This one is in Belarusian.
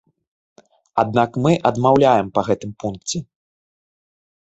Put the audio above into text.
Аднак мы адмаўляем па гэтым пункце.